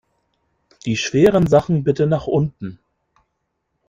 Die schweren Sachen bitte nach unten!